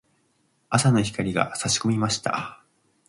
朝の光が差し込みました。